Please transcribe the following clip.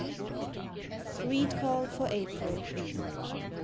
REED CALL FOR APRIL.